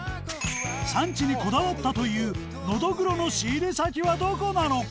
産地にこだわったというのどぐろの仕入れ先はどこなのか？